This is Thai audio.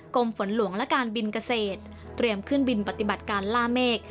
ฝนหลวงและการบินเกษตรเตรียมขึ้นบินปฏิบัติการล่าเมฆ